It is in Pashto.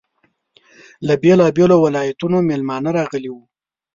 له بېلابېلو ولایتونو میلمانه راغلي وو.